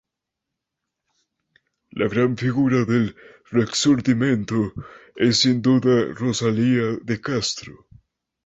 La gran figura del "Rexurdimento" es sin duda Rosalía de Castro.